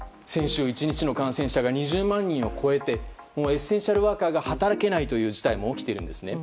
先週１日の感染者が２０万人を超えてエッセンシャルワーカーが働けないという事態が起きているんです。